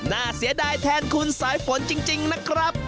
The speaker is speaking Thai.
น่าเสียดายแทนคุณสายฝนจริงนะครับ